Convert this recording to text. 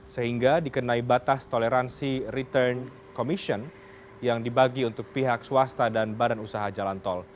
sehingga dikenai batas toleransi return commission yang dibagi untuk pihak swasta dan badan usaha jalan tol